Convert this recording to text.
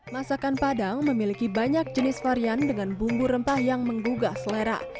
masakan padang memiliki banyak jenis varian dengan bumbu rempah yang menggugah selera